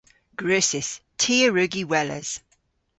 Gwrussys. Ty a wrug y weles.